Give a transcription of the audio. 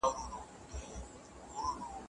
تدریسي نصاب له مشورې پرته نه اعلانیږي.